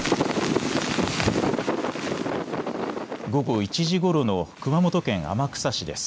午後１時ごろの熊本県天草市です。